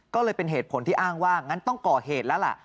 ก็เลยเป็นเหตุผลที่อ้างว่างั้นต้องก่อเหตุแล้วล่ะ